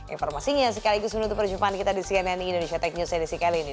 informasinya sekaligus menutup perjumpaan kita di cnn indonesia tech news edisi kali ini